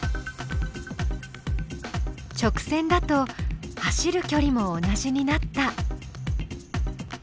直線だと走るきょりも同じになった。